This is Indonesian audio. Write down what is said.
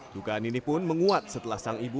dugaan ini pun menguat setelah sang ibu